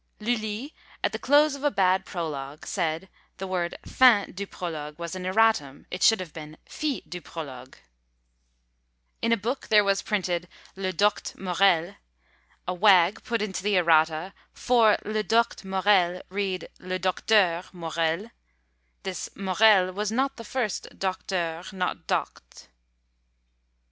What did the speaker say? Lully, at the close of a bad prologue said, the word fin du prologue was an erratum, it should have been fi du prologue! In a book, there was printed, le docte Morel. A wag put into the errata, "For le docte Morel, read le Docteur Morel." This Morel was not the first docteur not docte.